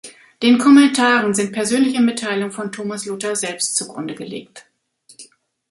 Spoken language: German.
Den Kommentaren sind persönliche Mitteilungen von Thomas Luther selbst zugrundegelegt.